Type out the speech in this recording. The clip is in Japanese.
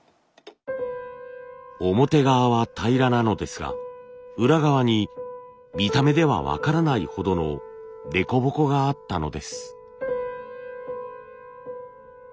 表側は平らなのですが裏側に見た目では分からないほどの凸凹があったのです。